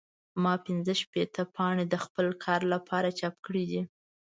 ما پنځه شپېته پاڼې د خپل کار لپاره چاپ کړې دي.